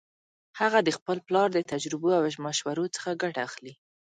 هغه د خپل پلار د تجربو او مشورو څخه ګټه اخلي